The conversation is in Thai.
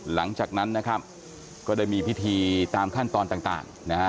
หลังจากนั้นนะครับก็ได้มีพิธีตามขั้นตอนต่างนะฮะ